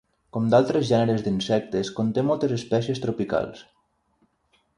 Com d'altres gèneres d'insectes, conté moltes espècies tropicals.